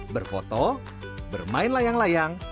berfoto bermain layang layang